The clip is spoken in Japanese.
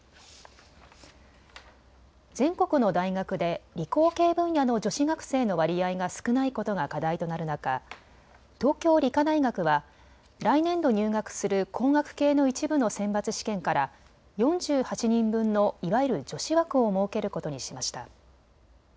全国の大学で理工系分野の女子学生の割合が少ないことが課題となる中、東京理科大学は来年度入学する工学系の一部の選抜試験から４８人分のいわゆる女子枠を設けることにしました。